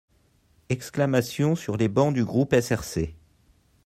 Exclamations sur les bancs du groupe SRC.